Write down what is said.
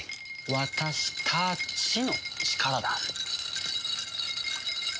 私たちの力だ。